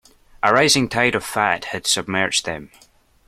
A rising tide of fat had submerged them.